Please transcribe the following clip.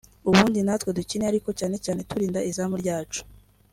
ubundi natwe dukine ariko cyane cyane turinda izamu ryacu